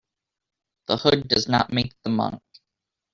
The hood does not make the monk.